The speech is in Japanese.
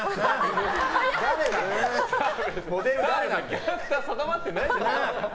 キャラクター定まってないじゃん。